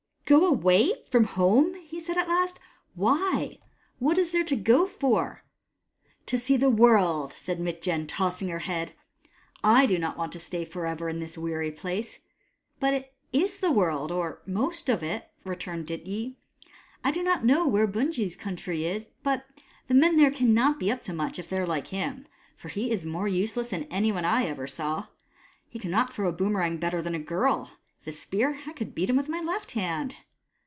" Go away from home !" he said at last. " WTiy ? What is there to go for ?" no HOW LIGHT CAME " To see the world," said Mitjen, tossing her head. "I do not want to stay for ever in this weary place." " But it is the world — or most of it," returned Dityi. " I do not know where Bunjil's country is — but the men there cannot be up to much if they are like him, for he is more useless than anyone I ever saw. He cannot throw a boomerang better than a girl, and with a spear I could beat him with my left hand